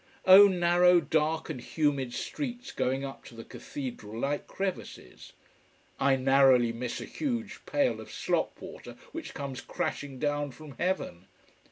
Oh narrow, dark, and humid streets going up to the Cathedral, like crevices. I narrowly miss a huge pail of slop water which comes crashing down from heaven.